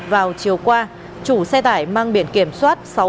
vào chiều qua chủ xe tải mang biển kiểm soát